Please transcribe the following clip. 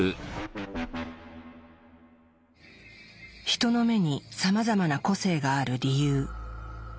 ヒトの目にさまざまな個性がある理由。